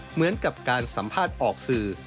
เหมือนกับการสัมภาษณ์ออกสื่อ